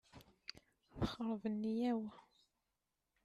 Texreb nniyya-w.